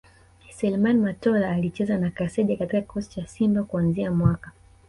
Seleman Matola Alicheza na Kaseja katika kikosi cha Simba kuanzia mwaka